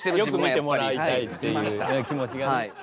良く見てもらいたいっていう気持ちがね。